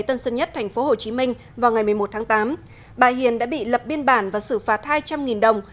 tân sơn nhất tp hồ chí minh vào ngày một mươi một tháng tám bà hiền đã bị lập biên bản và xử phạt hai trăm linh đồng